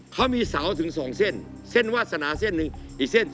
เขามีเส้นวัสนาเส้นนึงอีกเส้น